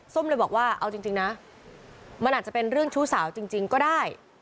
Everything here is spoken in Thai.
เลยบอกว่าเอาจริงนะมันอาจจะเป็นเรื่องชู้สาวจริงก็ได้